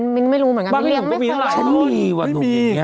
ฉันมีไม่มี